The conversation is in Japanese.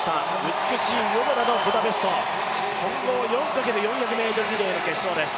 美しい夜空のブダペスト、混合４×４００ｍリレーの決勝です。